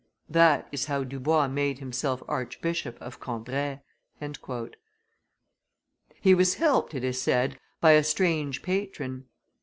That is how Dubois made himself Archbishop of Cambrai." He was helped, it is said, by a strange patron.